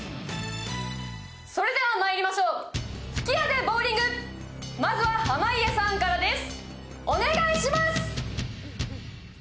それではまいりましょう、吹き矢でボウリング、まずは濱家さんからです。